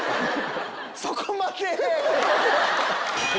そこまで！